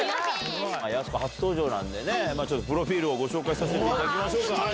やす子、初登場なんでね、ちょっとプロフィールをご紹介させていただきましょうか。